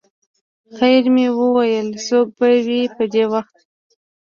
خیر مې وویل څوک به وي په دې وخت.